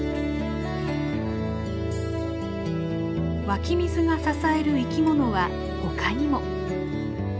湧き水が支える生き物は他にも。